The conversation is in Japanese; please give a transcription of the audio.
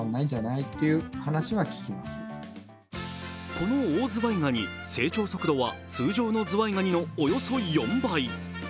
このオオズワイガニ、成長速度は通常のズワイガニのおよそ４倍。